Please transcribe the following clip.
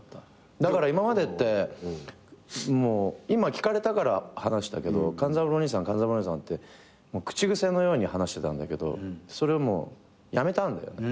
だから今までって今聞かれたから話したけど勘三郎兄さん勘三郎兄さんって口癖のように話してたんだけどそれもうやめたんだよね。